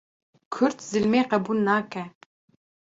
Kurd zilmê qebûl nake